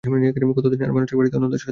কতদিন আর মানুষের বাড়িতে অন্নদাস হয়ে থাকব?